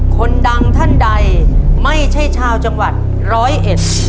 คนดังท่านใดไม่ใช่ชาวจังหวัดร้อยเอ็ด